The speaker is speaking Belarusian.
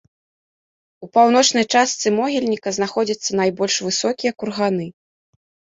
У паўночнай частцы могільніка знаходзяцца найбольш высокія курганы.